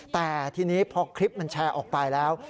แต่ทีนี้พอคลิปมันแชร์ออกไปแล้ว